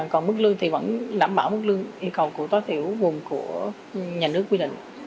còn mức lương thì vẫn đảm bảo mức yêu cầu của tối thiểu vùng của nhà nước quy định